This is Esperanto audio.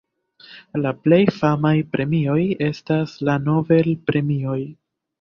La plej famaj premioj estas la Nobel-premioj.